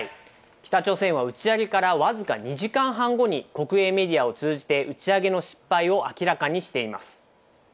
北朝鮮は打ち上げからわずか２時間半後に国営メディアを通じて、打ち上げの失敗を明らかにしています。